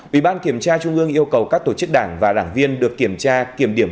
ủy ban kiểm tra trung ương yêu cầu các tổ chức đảng và đảng viên được kiểm tra kiểm điểm